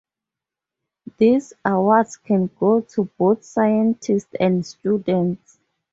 These awards can go to both scientists and students.